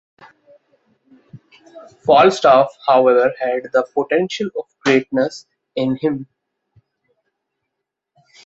Falstaff, however, had the potential of greatness in him.